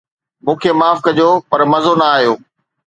مون کي معاف ڪجو پر مزو نه آيو